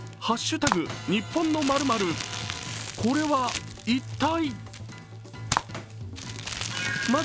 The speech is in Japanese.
日本の○○これは一体？